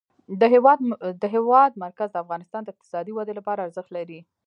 د هېواد مرکز د افغانستان د اقتصادي ودې لپاره ارزښت لري.